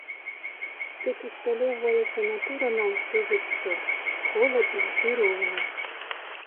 Тут усталёўвалася натура на ўсё жыццё, холадна і роўна.